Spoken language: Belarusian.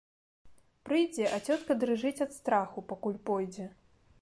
Прыйдзе, а цётка дрыжыць ад страху, пакуль пойдзе.